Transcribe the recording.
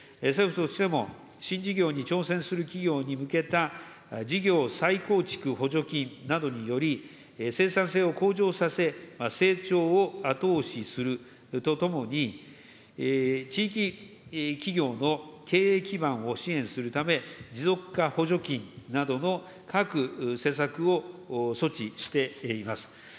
政府としても、新事業に挑戦する企業に向けた、事業再構築補助金などにより、生産性を向上させ、成長を後押しするとともに、地域企業の経営基盤を支援するため、持続化補助金などの各施策を措置しています。